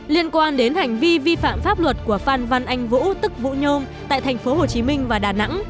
liên quan đến hành vi vi phạm pháp luật của phan văn anh vũ tức vũ nhôm tại tp hcm và đà nẵng